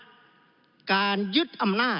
จึงฝากกลับเรียนเมื่อเรามีการแก้รัฐพาหารกันอีก